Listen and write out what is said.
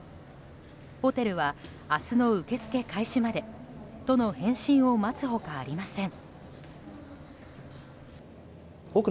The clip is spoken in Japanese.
ホテルは明日の受け付け開始まで都の返信を待つ他ありません。